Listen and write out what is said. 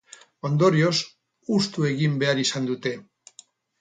Ondorioz, hustu egin behar izan dute.